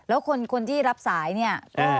แล้วคนที่รับสายเนี่ย